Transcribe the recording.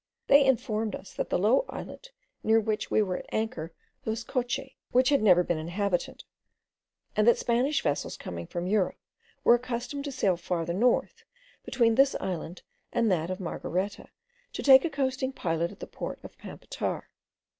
They informed us that the low islet near which we were at anchor was Coche, which had never been inhabited; and that Spanish vessels coming from Europe were accustomed to sail farther north, between this island and that of Margareta, to take a coasting pilot at the port of Pampatar.